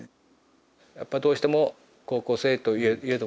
やっぱどうしても高校生といえどもね